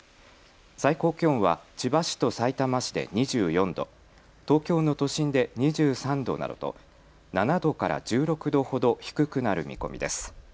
最高気温は千葉市とさいたま市で２４度、東京の都心で２３度などと７度から１６度ほど低くなる見込みです。